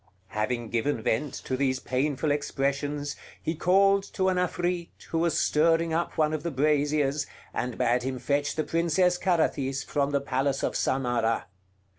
Having given vent to these painful expressions, he called to an Afrit, who was stirring up one of the braziers, and bade him fetch the Princess Carathis from the palace of Samarah.